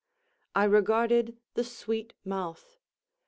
I regarded the sweet mouth.